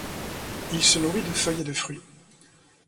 Il se nourrit de feuilles et de fruits.